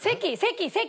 席！